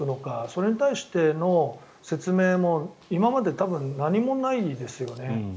それに対しての説明も今まで多分何もないですよね。